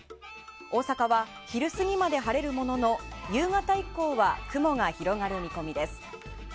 大阪は昼過ぎまで晴れるものの夕方以降は雲が広がる見込みです。